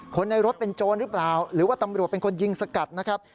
คนในรถเป็นโจรหรือเปล่าหรือว่าตำรวจเป็นคนยิงสกัดนะครับ